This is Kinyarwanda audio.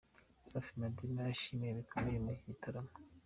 Safi Madiba yishimiwe bikomeye muri iki gitaramo.